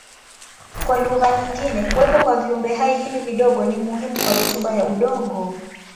Kwa lugha nyingine kuwepo kwa viumbehai hivi vidogo ni muhimu kwa rutuba ya udongo.